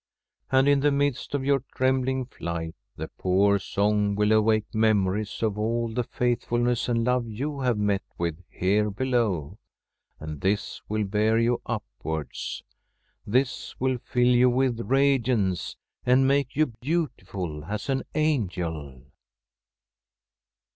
And in the midst of your trembling flight the poor song will awake memories of all the faithfulness and love you have met with here below, and this will bear you upwards. This will fill you with radiance and make you beautiful as an angel.